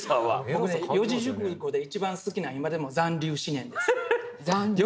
僕ね四字熟語で一番好きなのは今でも「残留思念」ですもん。